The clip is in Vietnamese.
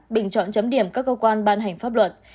bình chọn chấm điểm các cơ quan ban hành pháp luật